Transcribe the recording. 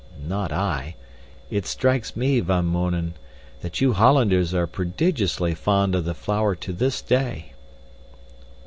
"Not I. It strikes me, Van Mounen, that you Hollanders are prodigiously fond of the flower to this day."